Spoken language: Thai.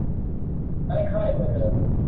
ย้ายค่ายเบอร์เดิม